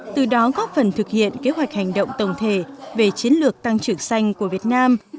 từ đó góp phần thực hiện kế hoạch hành động tổng thể về chiến lược tăng trưởng xanh của việt nam